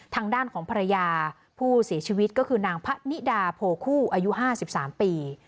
ทางด้านของภรรยาผู้เสียชีวิตก็คือนางพะนิดาโพคู่อายุ๕๓ปี